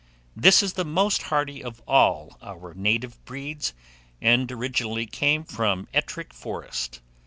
This is the most hardy of all our native breeds, and originally came from Ettrick Forest.